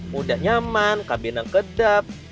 mudah nyaman kabin yang kedap